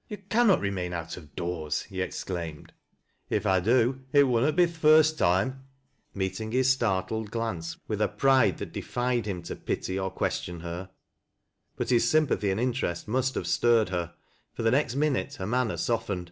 " You cannot remain out of doors !" he exclaimed. " If I do, it wunnot be th' first toime," meeting his startled glance with a pride which defied him to pity or question her. But his sympathy and interest must have stirred her, for the next minute her manner softened.